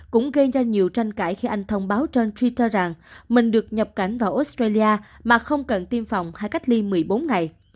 cũng gây ra nhiều tranh cãi khi anh thông báo trên twitter rằng mình được nhập cảnh vào australia mà không cần tiêm phòng hay cách ly một mươi bốn ngày